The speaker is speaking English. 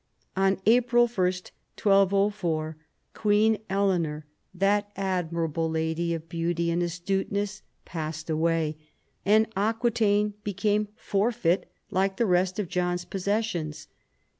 On April 1, 1204, Queen Eleanor, that "admirable lady of beauty and astuteness," passed away, and Aquitaine became forfeit like the rest of John's posses sions.